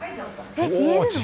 えっ言えるの？